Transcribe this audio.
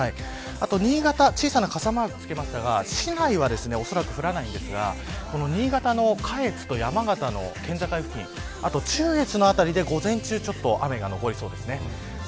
あと新潟、小さな傘マークつけましたが市内はおそらく降らないんですが新潟の下越と山形の県境付近あと中越の辺りで午前中ちょっと雨が残りそうです。